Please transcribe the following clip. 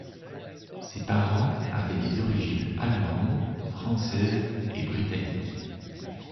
Ses parents avaient des origines allemande, française et britannique.